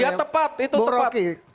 ya tepat itu tepat